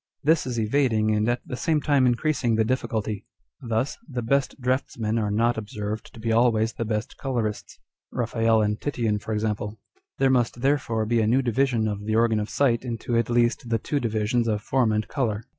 This is evading and at the same time increasing the difficulty. Thus : The best draughtsmen are not observed to be always the best colourists, Eaphael and Titian for example. There must therefore be a new division of the Organ of Sight into (at least) the two divisions of Form and Colour.